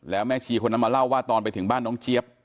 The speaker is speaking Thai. แล้วแม่ชีคนนั้นมาเล่าว่าตอนไปถึงบ้านน้องเจี๊ยบ